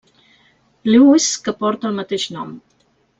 Lewis que porta el mateix nom.